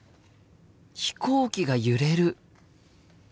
飛行機が揺れる。